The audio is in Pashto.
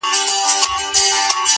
کيسه په کابل کي ولوستل سوه,